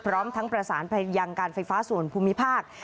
พร้อมทั้งประสานไปยังการไฟฟ้าส่วนภูมิภาค